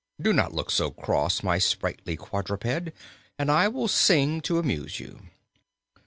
Do not look so cross, my sprightly quadruped, and I will sing to amuse you."